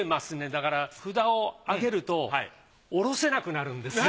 だから札をあげるとおろせなくなるんですよ。